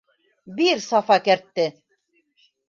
Бир, Сафа, кәртте.